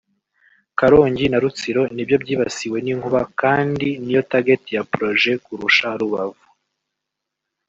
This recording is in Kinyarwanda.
Karongi na Rutsiro nibyo byibasiwe n’inkuba kandi niyo target ya projet kurusha Rubavu